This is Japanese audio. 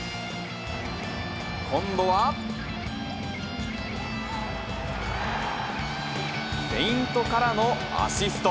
今度は、フェイントからのアシスト。